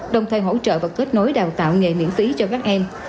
đồng thời hỗ trợ và kết nối đào tạo nghề miễn phí cho các em